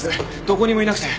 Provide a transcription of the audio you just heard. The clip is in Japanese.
どこにもいなくて。